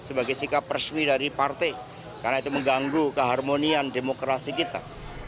sebagai sikap resmi dari partai karena itu mengganggu keharmonian demokrasi kita